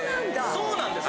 そうなんです。